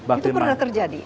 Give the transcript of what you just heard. itu pernah terjadi